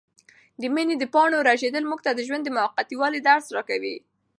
د مني د پاڼو رژېدل موږ ته د ژوند د موقتي والي درس راکوي.